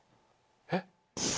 えっ？